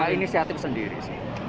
ini sehat sendiri sih